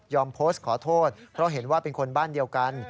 โพสต์ขอโทษเพราะเห็นว่าเป็นคนบ้านเดียวกัน